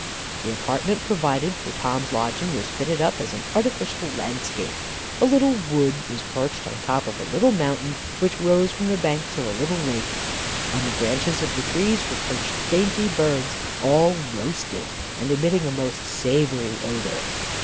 The apartment provided for Tom's lodging was 'fitted up as an artificial landscape. A little wood was perched on the top of a little mountain, which rose from the banks of a little lake. On the branches of the trees were perched dainty birds, all roasted, and emitting a most savoury odour.